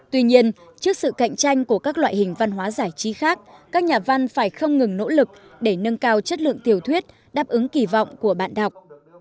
tuy nhiên trước sự cạnh tranh của các loại hình văn hóa giải trí khác các nhà văn phải không ngừng nỗ lực để nâng cao chất lượng tiểu thuyết đáp ứng kỳ vọng của bạn đọc